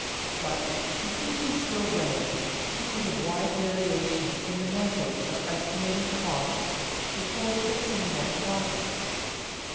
But confusion still reigns because of wide variation in the methods of estimating costs before fixing net profits.